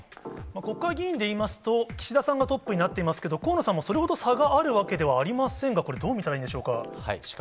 国会議員でいいますと、岸田さんがトップになっていますけど、河野さんもそれほど差があるわけではありませんが、これ、どう見たらいいんでしょうか。